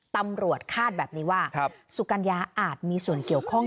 คาดแบบนี้ว่าสุกัญญาอาจมีส่วนเกี่ยวข้อง